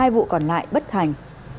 hai vụ còn lại bất thành